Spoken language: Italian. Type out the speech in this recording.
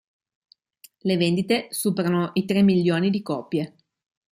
Le vendite superano i tre milioni di copie.